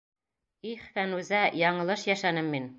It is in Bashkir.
Их, Фәнүзә, яңылыш йәшәнем мин.